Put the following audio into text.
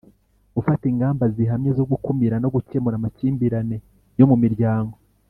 Gufata ingamba zihamye zo gukumira no gukemura amakimbirane yo mu miryango